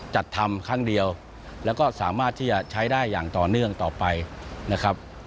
จัดทำครั้งเดียวแล้วก็สามารถที่จะใช้ได้อย่างต่อเนื่องต่อไปนะครับ